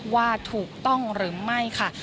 ว่าถูกต้องหรือไม่ค่ะ